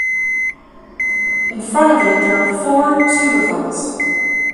In front of it there are four tubercles.